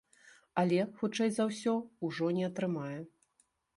Але, хутчэй за ўсё, ужо не атрымае.